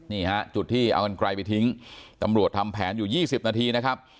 นี่ฮะจุดที่เอากันไกลไปทิ้งตำรวจทำแผนอยู่๒๐นาทีนะครับ